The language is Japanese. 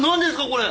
これ。